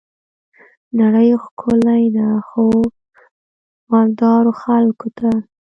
نړۍ ښکلي ده خو، مالدارو خلګو ته.